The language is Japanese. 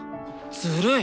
ずるい！